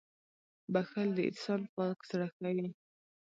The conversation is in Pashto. • بښل د انسان پاک زړه ښيي.